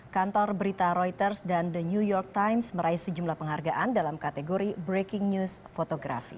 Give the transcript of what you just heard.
kantor berita reuters dan the new york times meraih sejumlah penghargaan dalam kategori breaking news fotografi